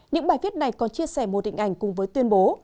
những bài viết này còn chia sẻ một điện ảnh cùng với tuyên bố